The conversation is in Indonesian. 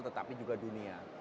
tetapi juga dunia